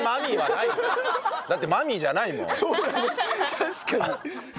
確かに。